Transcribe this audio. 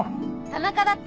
田中！